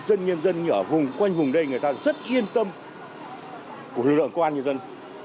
dân nhân dân ở vùng quanh vùng đây người ta rất yên tâm của lực lượng công an nhân dân